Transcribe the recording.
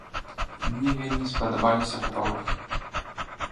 Мне вельмі спадабаліся фатографы.